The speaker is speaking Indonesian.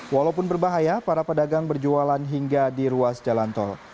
walaupun berbahaya para pedagang berjualan hingga di ruas jalan tol